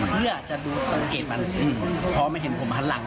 เพื่อจะดูสังเกตมันพอมาเห็นผมหันหลัง